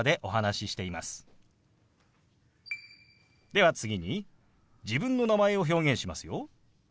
では次に自分の名前を表現しますよ。